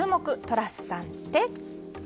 トラスさんって？